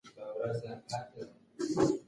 مازیګرنۍ وړانګې د هغې پر سپین مخ رقص کاوه.